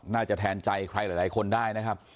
น่าจะแทนใจใครหลายคนได้นะครับ